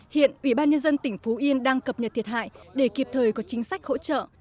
hiện ủy ban nhân dân tỉnh phú yên đang cập nhật thiệt hại để kịp thời có chính sách hỗ trợ